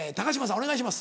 お願いします。